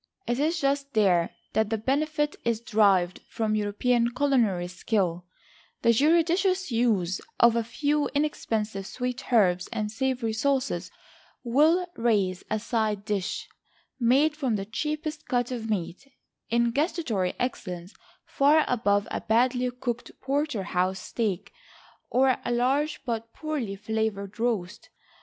It is just there that benefit is derived from European culinary skill; the judicious use of a few inexpensive sweet herbs, and savory sauces, will raise a side dish, made from the cheapest cut of meat, in gustatory excellence far above a badly cooked porterhouse steak, or a large but poorly flavored roast.